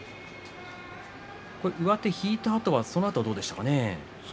上手を引いたあとそのあとは、どうでしたか。